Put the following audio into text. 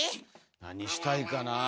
何したいかなあ。